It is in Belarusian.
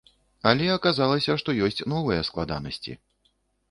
Але аказалася, што ёсць новыя складанасці.